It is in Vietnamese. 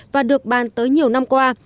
và được bàn tới nhiều năm qua